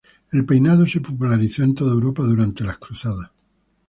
El peinado se popularizó en toda Europa durante las Cruzadas.